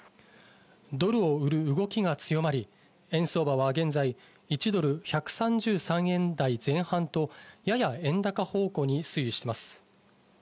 ドルを売る動きが強まり、円相場は現在１ドル＝１３３円台前半と、やや円高方向に推移しています。